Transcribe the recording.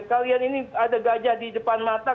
kalian ini ada gajah di depan mata